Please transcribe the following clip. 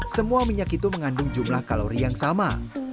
semua minyak itu mengandung jumlah kalori yang sama